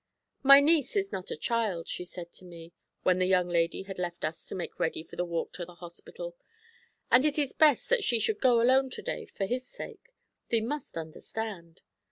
'My niece is not a child,' she said to me, when the young lady had left us to make ready for the walk to the hospital, 'and it is best that she should go alone to day for his sake. Thee must understand?'